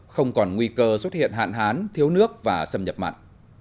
không còn nguy cơ xuất hiện hạn hán thiếu nước và xâm nhập mặn